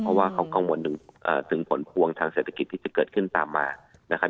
เพราะว่าเขากังวลถึงผลพวงทางเศรษฐกิจที่จะเกิดขึ้นตามมานะครับ